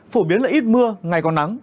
phổ biến là ít mưa ngày còn nắng